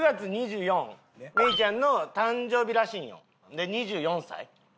で２４歳。